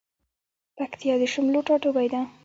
پکتيا د شملو ټاټوبی ده